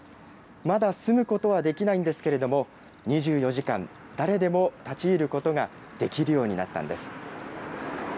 まだ住むことはできないんですけれども、２４時間、誰でも立ち入ることができるようになったんです。